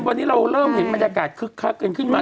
วันนี้เราเริ่มเห็นบรรยากาศคึกคักกันขึ้นมาก